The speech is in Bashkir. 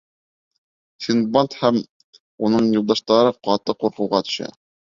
Синдбад һәм уның юлдаштары ҡаты ҡурҡыуға төшә.